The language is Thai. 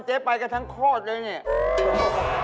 เจ๊ไปกันทั้งโคตรเลยนี่